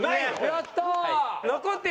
やったー！